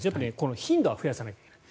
頻度は増やさなきゃいけない。